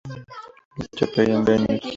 La Chapelle-en-Vexin